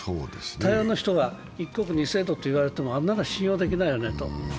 台湾の人は一国二制度といわれてもあんなのは信用できないよねと。